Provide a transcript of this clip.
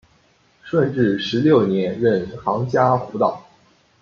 顺治十六年任杭嘉湖道。